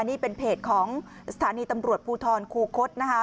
นี่เป็นเพจของสถานีตำรวจภูทรคูคศนะคะ